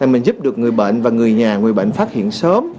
mình giúp được người bệnh và người nhà người bệnh phát hiện sớm